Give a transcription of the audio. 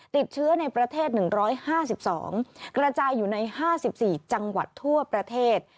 ติดเชื้อในประเทศ๑๕๒กระจายอยู่ใน๕๔จังหวัดทั่วประเทศ